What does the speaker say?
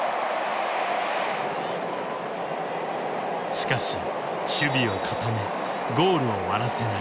しかし守備を固めゴールを割らせない。